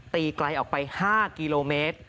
ตีไกลออกไป๕กิโลเมตร